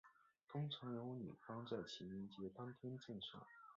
通常由女方在情人节当天赠送。